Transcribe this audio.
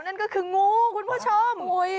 นั่นก็คืองูคุณผู้ชม